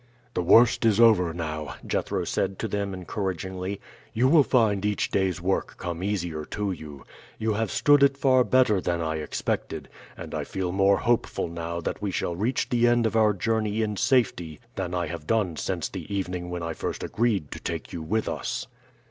"The worst is over now," Jethro said to them encouragingly. "You will find each day's work come easier to you. You have stood it far better than I expected; and I feel more hopeful now that we shall reach the end of our journey in safety than I have done since the evening when I first agreed to take you with us."